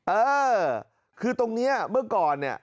เออคือตรงนี้เมื่อก่อนเนี่ย